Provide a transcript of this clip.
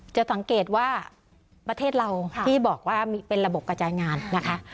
จะสังเกตว่าประเทศเราที่บอกว่าเป็นระบบกระจายงานนะคะ